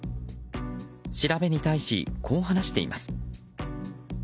調べに対し、こう話しています。